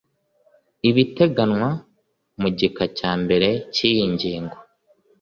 ibiteganywa mu gika cya mbere cy iyi ngingo